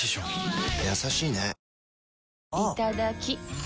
いただきっ！